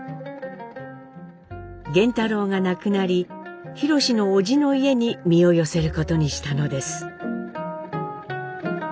源太郎が亡くなり宏の叔父の家に身を寄せることにしたのです。